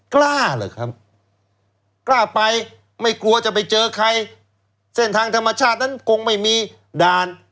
กล้าเหรอครับกล้าไปไม่กลัวจะไปเจอใครเส้นทางธรรมชาตินั้นคงไม่มีด่าน